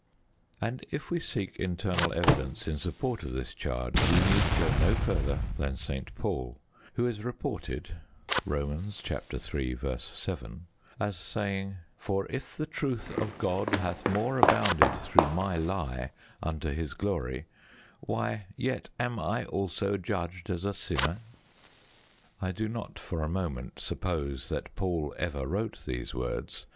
And if we seek internal evidence in support of this charge we need go no further than St. Paul, who is reported (Rom. iii. 7) as saying: "For if the truth of God hath more abounded through my lie unto His Glory, why yet am I also judged as a sinner?" I do not for a moment suppose that Paul ever wrote those words.